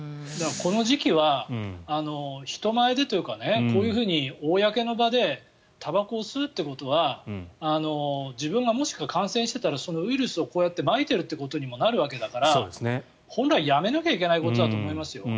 この時期は人前でというかこういうふうに公の場でたばこを吸うということは自分がもしかして感染していたらこうやってまいているということにもなるわけだから本来、やめなきゃいけないことだと思いますよ。